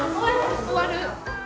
終わる。